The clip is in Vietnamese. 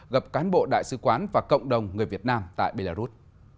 gặp cán bộ đại sứ quán và cộng đồng người việt nam tại belarus